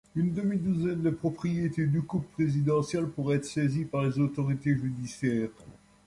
Une demi-douzaine de propriétés du couple présidentiel pourrait être saisie par les autorités judiciaires.